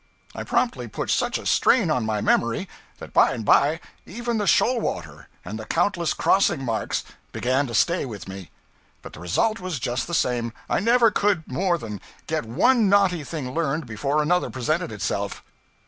I promptly put such a strain on my memory that by and by even the shoal water and the countless crossing marks began to stay with me. But the result was just the same. I never could more than get one knotty thing learned before another presented itself.